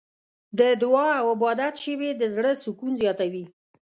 د دعا او عبادت شېبې د زړه سکون زیاتوي.